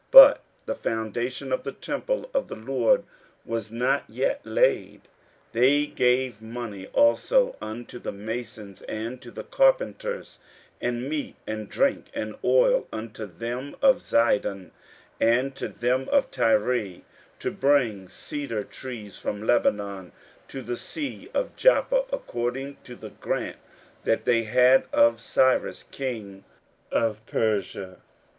But the foundation of the temple of the LORD was not yet laid. 15:003:007 They gave money also unto the masons, and to the carpenters; and meat, and drink, and oil, unto them of Zidon, and to them of Tyre, to bring cedar trees from Lebanon to the sea of Joppa, according to the grant that they had of Cyrus king of Persia.